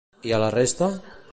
I a la resta?